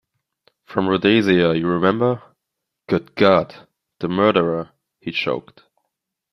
“From Rhodesia, you remember.” “Good God, the murderer!” he choked.